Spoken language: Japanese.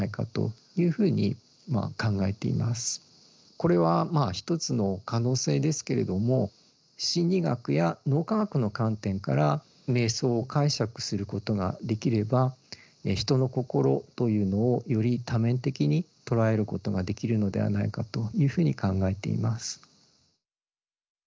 これはまあ一つの可能性ですけれども心理学や脳科学の観点から瞑想を解釈することができれば人の心というのをより多面的に捉えることができるのではないかというふうに考えています。